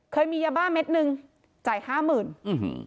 เคยมียาบ้าเม็ดหนึ่งจ่ายห้าหมื่นอืม